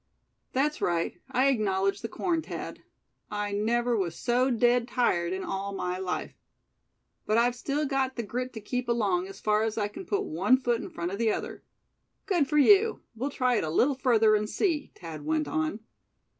"That's right, I acknowledge the corn, Thad. I never was so dead tired in all my life. But I've still got the grit to keep along as far as I c'n put one foot in front of the other." "Good for you; we'll try it a little further, and see," Thad went on.